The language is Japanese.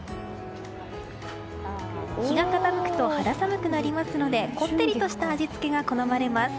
日が傾くと肌寒くなりますのでこってりとした味付けが好まれます。